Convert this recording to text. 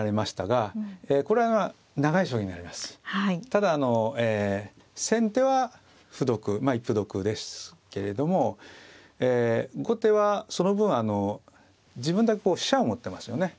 ただあの先手は歩得一歩得ですけれども後手はその分自分だけこう飛車を持ってますよね。